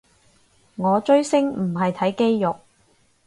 我追星唔係睇肌肉